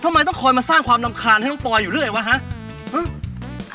ทำไมต้องคอยมาสร้างความรำคาญให้น้องปอยอยู่เรื่อยวะฮะ